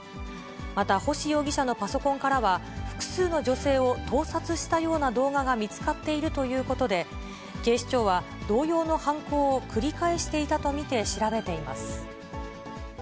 また、星容疑者のパソコンからは、複数の女性を盗撮したような動画が見つかっているということで、警視庁は同様の犯行を繰り返していたと見て調べています。